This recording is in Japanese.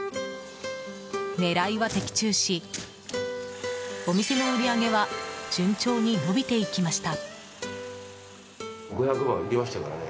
狙いは的中し、お店の売り上げは順調に伸びていきました。